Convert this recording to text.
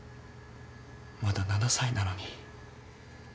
まだ７歳なのに。